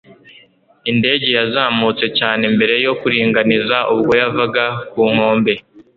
indege yazamutse cyane mbere yo kuringaniza ubwo yavaga ku nkombe